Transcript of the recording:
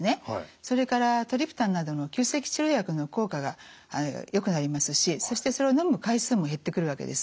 それからトリプタンなどの急性期治療薬の効果がよくなりますしそしてそれをのむ回数も減ってくるわけです。